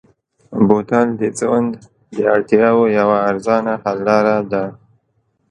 بوتل د ژوند د اړتیاوو یوه ارزانه حل لاره ده.